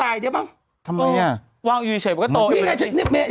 ไอ้มันหนุ่มหนุ่ม